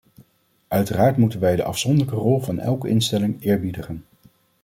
Uiteraard moeten wij de afzonderlijke rol van elke instelling eerbiedigen.